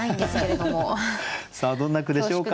どんな句でしょうか？